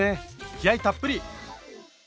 気合いたっぷり！